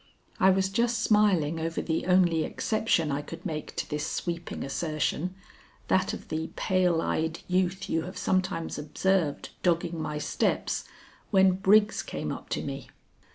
I was just smiling over the only exception I could make to this sweeping assertion, that of the pale eyed youth you have sometimes observed dogging my steps, when Briggs came up to me.